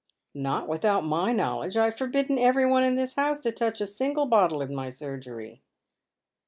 "Not without my knowledge. I have forbidden every one in this house to touch a single bottle in my surgery."